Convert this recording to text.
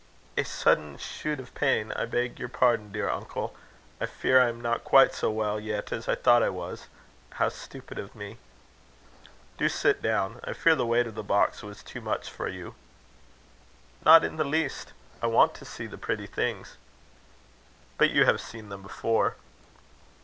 "A sudden shoot of pain I beg your pardon, dear uncle. I fear I am not quite so well yet as I thought I was. How stupid of me!" "Do sit down. I fear the weight of the box was too much for you." "Not in the least. I want to see the pretty things." "But you have seen them before."